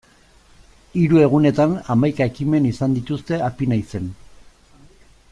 Hiru egunetan hamaika ekimen izan dituzte Apinaizen.